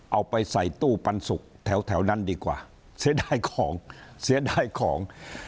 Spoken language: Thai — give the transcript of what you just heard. เอาไปใส่ตู้ปันสุกแถวนั้นดีกว่าเสียดายของ